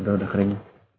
udah udah kering